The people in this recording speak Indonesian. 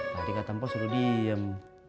tadi kata mbok suruh diem